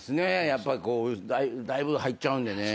やっぱこうだいぶ入っちゃうんでね。